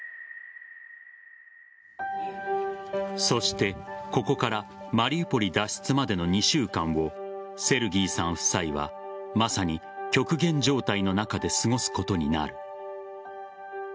そして、ここからマリウポリ脱出までの２週間をセルギーさん夫妻はまさに極限状態の中で過ごすことになる。